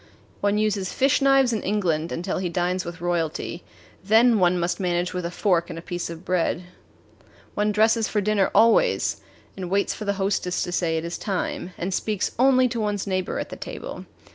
One uses fish knives in England until he dines with royalty then one must manage with a fork and a piece of bread. One dresses for dinner always, and waits for the hostess to say it is time, and speaks only to one's neighbor at table.